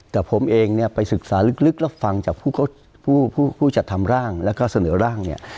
แต่ผมเองไปศึกษาลึกแล้วฟังจากผู้จัดทำร่างและก็เสนอร่าง